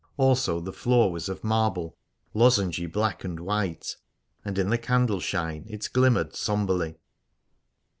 Also the floor was of marble, lozengy black and white, and in the candle shine it glimmered sombrely.